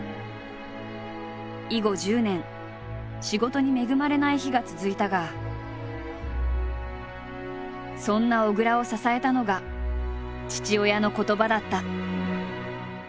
以後１０年仕事に恵まれない日が続いたがそんな小倉を支えたのが父親の言葉だった。